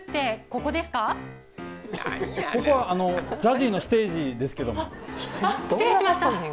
ここはあのＺＡＺＹのステージですけどもあっあっ失礼しました